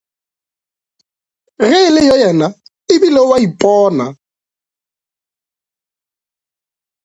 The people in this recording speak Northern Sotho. Ge e le yoo yena ebile o a ipona.